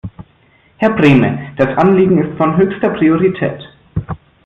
Herr Brehme, das Anliegen ist von höchster Priorität.